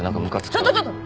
ちょっとちょっと。